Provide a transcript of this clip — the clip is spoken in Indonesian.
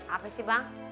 apa sih bang